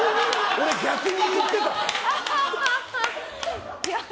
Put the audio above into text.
俺逆に言ってた？